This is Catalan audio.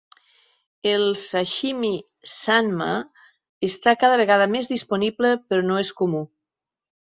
El sashimi "Sanma" està cada vegada més disponible però no és comú.